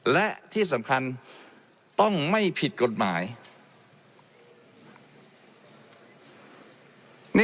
และมีผลกระทบไปทุกสาขาอาชีพชาติ